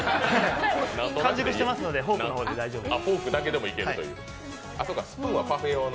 完熟していますので、フォークの方で大丈夫です。